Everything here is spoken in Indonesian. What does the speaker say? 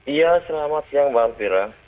iya selamat siang mbak elvira